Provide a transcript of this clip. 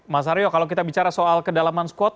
mas aryo kalau kita bicara soal kedalaman squad